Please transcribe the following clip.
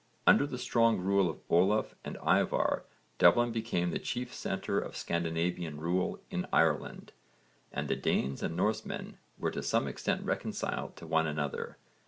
Under the strong rule of Olaf and Ívarr Dublin became the chief centre of Scandinavian rule in Ireland, and the Danes and Norsemen were to some extent reconciled to one another.